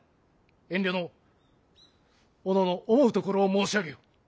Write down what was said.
遠慮のうおのおの思うところを申し上げよ。